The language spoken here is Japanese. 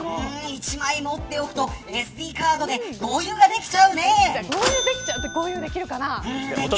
１枚持っておくとＳＤカードで豪遊が豪遊できるかな。